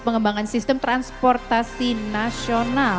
pengembangan sistem transportasi nasional